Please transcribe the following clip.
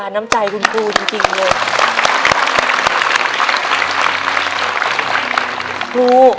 ในแคมเปญพิเศษเกมต่อชีวิตโรงเรียนของหนู